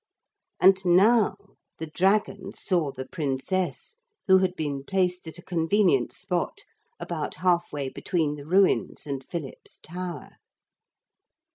And now the dragon saw the Princess who had been placed at a convenient spot about half way between the ruins and Philip's tower.